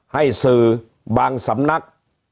ให้สื่อบางสำนัก